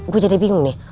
gue jadi bingung nih